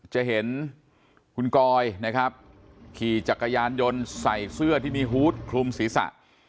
จะเห็นคุณกอยนะครับขี่จักรยานยนต์ใส่เสื้อที่มีฮูตคลุมศีรษะ